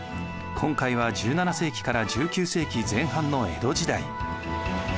今回は１７世紀から１９世紀前半の江戸時代。